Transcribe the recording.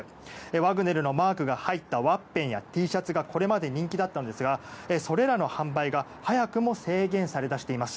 ワグネルのマークが入ったワッペンやＴシャツがこれまで人気だったんですがそれらの販売が早くも制限され出しています。